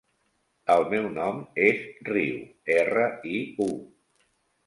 El meu nom és Riu: erra, i, u.